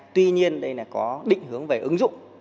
tuy nhiên đây là có định hướng về ứng dụng